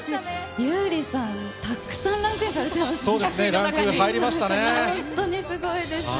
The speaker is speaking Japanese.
優里さん、たくさんランクインされてますね。